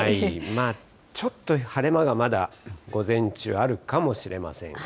まあちょっと晴れ間がまだ午前中、あるかもしれません。